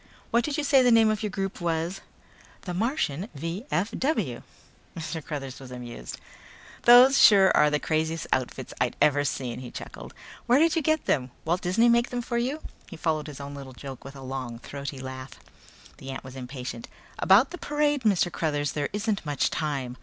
What did you say the name of your group was?" "The Martian V.F.W." Mr. Cruthers was amused. "Those sure are the craziest outfits I've ever seen," he chuckled. "Where'd you get them? Walt Disney make them for you?" He followed his own little joke with a long throaty laugh. The ant was impatient. "About the parade, Mr. Cruthers, there isn't much time."